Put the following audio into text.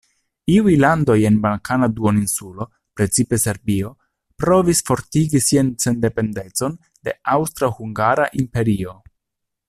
Iuj landoj en Balkana duoninsulo, precipe Serbio, provis fortigi sian sendependecon de Aŭstra-Hungara Imperio.